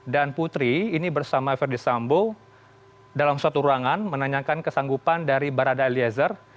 dan putri ini bersama ferdisambo dalam suatu ruangan menanyakan kesanggupan dari barada eliezer